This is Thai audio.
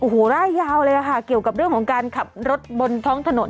โอ้โหร่ายยาวเลยค่ะเกี่ยวกับเรื่องของการขับรถบนท้องถนน